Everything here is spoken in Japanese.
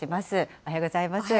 おはようございます。